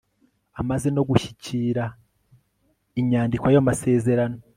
amaze no gushyikira inyandiko y'ayo masezerano